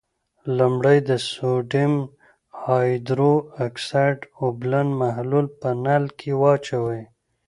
لومړی د سوډیم هایدرو اکسایډ اوبلن محلول په نل کې واچوئ.